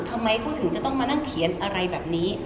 ทำไมเขาถึงจะต้องมานั่งเขียนอะไรแบบนี้